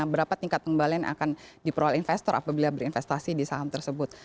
berapa tingkat pengembalian yang akan diperoleh investor apabila berinvestasi di saham tersebut